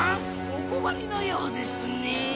おこまりのようですねぇ。